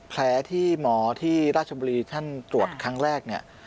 แผลที่หมอที่ราชบุรีท่านตรวจครั้งแรกเนี่ย